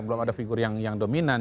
belum ada figur yang dominan